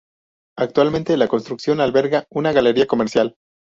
Actualmente, la construcción alberga una galería comercial.